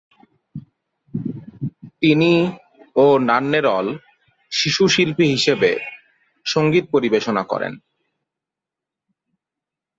তিনি ও নান্নেরল শিশুশিল্পী হিসেবে সঙ্গীত পরিবেশনা করেন।